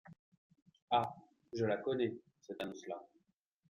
Ah ! je la connais, cette annonce-là.